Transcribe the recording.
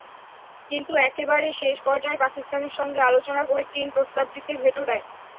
কিন্তু একেবারে শেষ পর্যায়ে পাকিস্তানের সঙ্গে আলোচনা করে চীন প্রস্তাবটিতে ভেটো দেয়।